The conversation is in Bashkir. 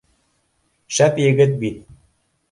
Шәп егет бит